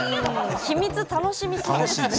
秘密楽しみすぎですね。